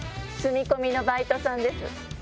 住み込みのバイトさんです。